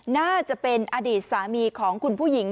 น่าจะเป็นอดีตสามีของคุณผู้หญิง